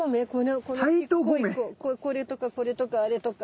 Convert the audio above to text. これとかこれとかあれとか。